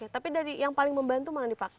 tapi dari yang paling membantu mana nih pak